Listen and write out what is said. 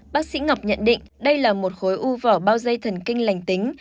bác sĩ ngọc nhận định đây là một khối u vỏ bao dây thần kinh lành tính